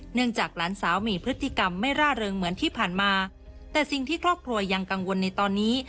จากหลานสาวมีพฤติกรรมไม่ร่าเริงเหมือนที่ผ่านมาแต่สิ่งที่ครอบครัวยังกังวลในตอนนี้